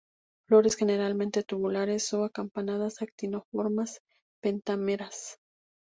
Flores generalmente tubulares o acampanadas, actinomorfas, pentámeras.